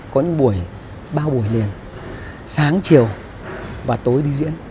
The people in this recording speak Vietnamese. có những buổi ba buổi liền sáng chiều và tối đi diễn